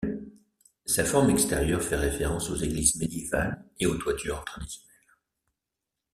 Sa forme extérieure fait référence aux églises médiévales et aux toitures traditionnelles.